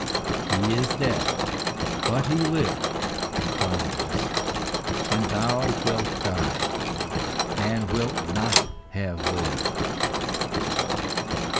"He is dead, but he lived," replied the voice; "and thou wilt die, and wilt not have lived."